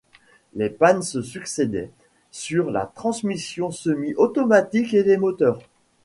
Les pannes se succédaient sur la transmission semi-automatique et les moteurs.